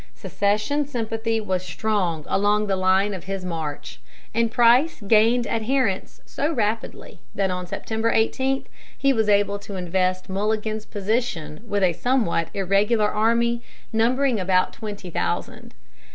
Secession sympathy was strong along the line of his march, and Price gained adherents so rapidly that on September 18 he was able to invest Mulligan's position with a somewhat irregular army numbering about twenty thousand.